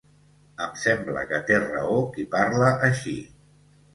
Em sembla que té raó qui parla així